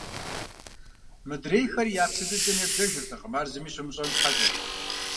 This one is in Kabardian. Мыдрейхэри я псэ дыдэм еблэжыртэкъым, ар зыми щымыщӀэн щхьэкӀэ.